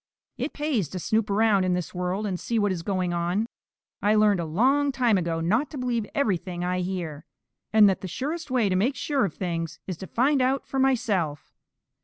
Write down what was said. "It pays to snoop around in this world and see what is going on. I learned a long time ago not to believe everything I hear, and that the surest way to make sure of things is to find out for myself.